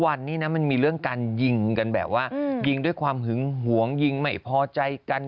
วันนี้นะมันมีเรื่องการยิงกันแบบว่ายิงด้วยความหึงหวงยิงไม่พอใจกัน